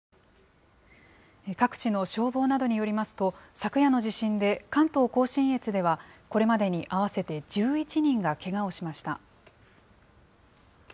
各地の消防などによりますと、昨夜の地震で、関東甲信越ではこれまでに合わせて１１人がけがをしました。